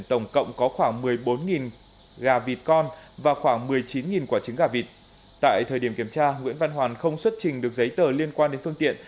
tổng cộng có khoảng một mươi bốn gà vịt con và khoảng một mươi chín quả trứng gà vịt tại thời điểm kiểm tra nguyễn văn hoàn không xuất trình được giấy tờ liên quan đến phương tiện